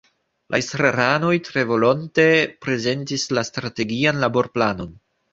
La estraranoj tre volonte prezentis la Strategian Laborplanon.